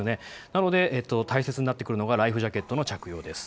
なので、大切になってくるのがライフジャケットの着用です。